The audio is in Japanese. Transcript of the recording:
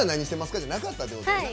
じゃなかったってことですね。